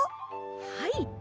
はい！